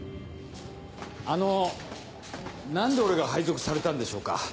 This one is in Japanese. あの何で俺が配属されたんでしょうか？